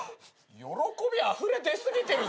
喜びあふれ出過ぎてるぞ。